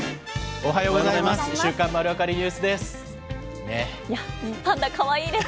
おはようございます。